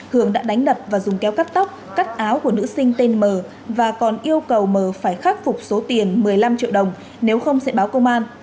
cường đã đánh đập và dùng kéo cắt tóc cắt áo của nữ sinh tên m và còn yêu cầu m phải khắc phục số tiền một mươi năm triệu đồng nếu không sẽ báo công an